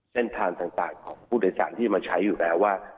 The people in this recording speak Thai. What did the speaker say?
เส้นทางต่างของผู้โดยสารที่จะมาใช้อยู่แล้วว่า